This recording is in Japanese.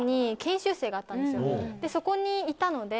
そこにいたので。